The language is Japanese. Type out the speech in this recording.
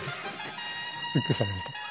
びっくりされましたか。